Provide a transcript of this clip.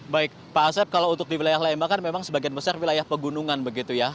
baik pak asep kalau untuk di wilayah lembang kan memang sebagian besar wilayah pegunungan begitu ya